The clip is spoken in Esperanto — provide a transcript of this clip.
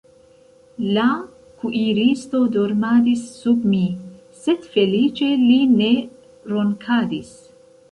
La kuiristo dormadis sub mi, sed feliĉe li ne ronkadis.